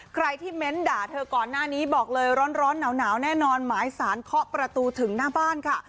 ใครที่เม้นต์ด่าเธอก่อนหน้านี้บอกเลยร้อนหนาวแน่นอนหมายสารเคาะประตูถึงหน้าบ้านค่ะ